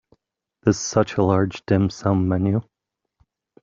This is such a large dim sum menu.